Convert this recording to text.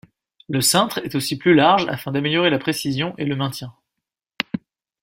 Le cintre est aussi plus large afin d'améliorer la précision et le maintien.